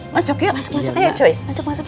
masuk yuk masuk masuk ayo cuy